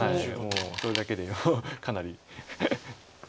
もうそれだけでかなり。